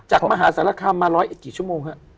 จากมหาศาลคามมาร้อยกี่ชั่วโมง